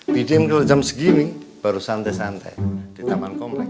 pdim kalau jam segini baru santai santai di taman komplek